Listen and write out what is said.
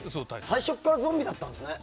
最初からゾンビだったんですね。